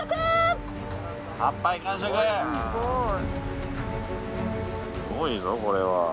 すごいぞこれは。